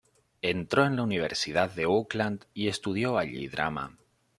Entró en la Universidad de Oakland y estudió allí drama.